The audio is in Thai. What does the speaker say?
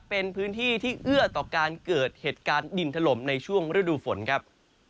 เป็นพื้นที่ที่เอื้อต่อการเกิดเหตุการณ์ดินถล่มในช่วงฤดูฝนครับ